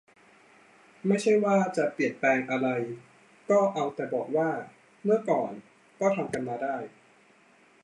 ไม่ใช่ว่าจะเปลี่ยนแปลงอะไร ก็เอาแต่บอกว่า เมื่อก่อนก็ทำกันมาได้